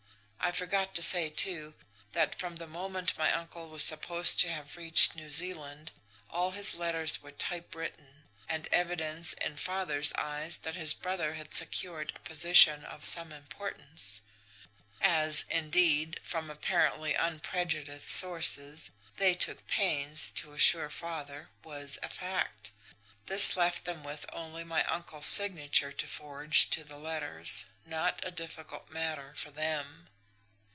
I forgot to say, too, that from the moment my uncle was supposed to have reached New Zealand all his letters were typewritten an evidence in father's eyes that his brother had secured a position of some importance; as, indeed, from apparently unprejudiced sources, they took pains to assure father was a fact. This left them with only my uncle's signature to forge to the letters not a difficult matter for them!